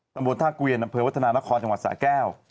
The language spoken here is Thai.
ตำบลท่าเกวียนอำเภอวัฒนานครจังหวัดสะแก้ว